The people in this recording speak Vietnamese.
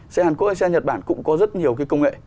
xe hàn quốc hay xe nhật bản cũng có rất nhiều công nghệ